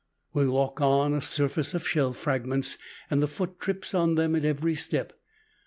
We walk on a surface of shell fragments, and the foot trips on them at every step.